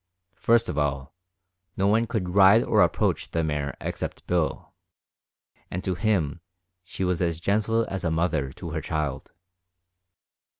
First of all, no one could ride or approach the mare except Bill, and to him she was as gentle as a mother to her child.